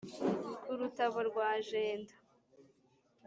ku rutabo rwa jenda